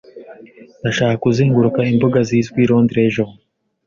Ndashaka kuzenguruka imbuga zizwi i Londres ejo.